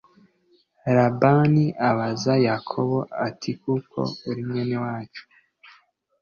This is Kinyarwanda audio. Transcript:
labani abaza yakobo ati kuko uri mwene wacu